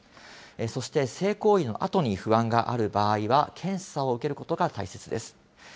そして、性行為のあとに不安がある場合は、検査を受けることが大切です。